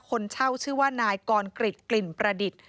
คนเช่าชื่อว่านายกรกริจกลิ่นประดิษฐ์